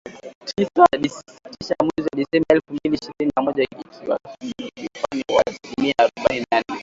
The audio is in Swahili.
Tisa mwezi Disemba elfu mbili ishirini na moja , ikiwasilisha ukuaji wa asilimia arubaini na nne